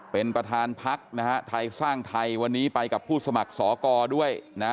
เป็นประธานพักนะฮะไทยสร้างไทยวันนี้ไปกับผู้สมัครสอกรด้วยนะ